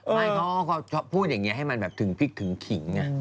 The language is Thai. ไม่เขาพูดอย่างนี้ให้มันแบบถึงพริกถึงขิงไง